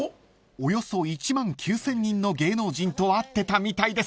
［およそ１万９，０００人の芸能人と会ってたみたいです］